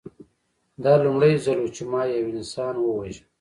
دا لومړی ځل و چې ما یو انسان وواژه